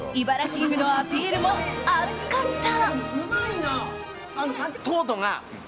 キングのアピールも熱かった！